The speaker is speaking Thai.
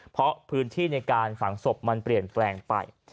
เพราะพื้นที่ในการฝังศพมันเปลี่ยนแปลงไป